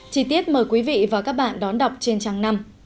chí tiết mời quý vị và các bạn đón đọc trên trang năm